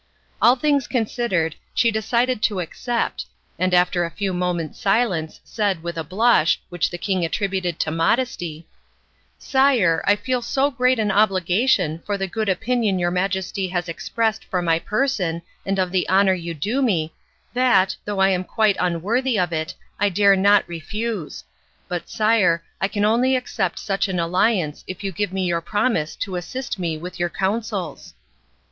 All things considered, she decided to accept, and after a few moments silence said with a blush, which the king attributed to modesty: "Sire, I feel so great an obligation for the good opinion your Majesty has expressed for my person and of the honour you do me, that, though I am quite unworthy of it, I dare not refuse. But, sire, I can only accept such an alliance if you give me your promise to assist me with your counsels."